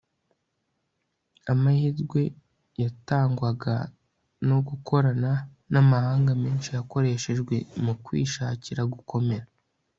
amahirwe yatangwaga no gukorana n'amahanga menshi yakoreshejwe mu kwishakira gukomera